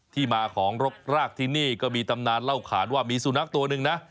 ที่มาของรกรากที่นี่ก็มีตำนานเล่าขานว่ามีสุนัขตัวหนึ่งนะ